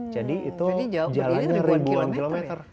jadi itu jalannya ribuan kilometer